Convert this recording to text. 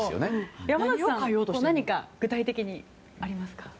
山之内さん何か具体的にありますか？